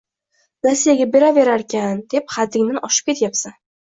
Nasiyaga beraverarkan, deb haddingdan oshib ketyapsan